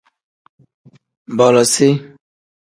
Bolosiv.